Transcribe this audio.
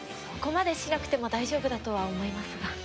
そこまでしなくても大丈夫だとは思いますが。